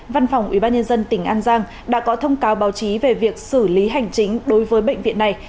văn phòng ủy ban nhân dân tỉnh an giang đã có thông cáo báo chí về việc xử lý hành chính đối với bệnh viện này